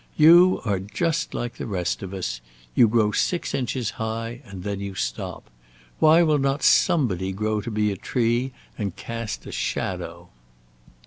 You are just like the rest of us. You grow six inches high, and then you stop. Why will not somebody grow to be a tree and cast a shadow?"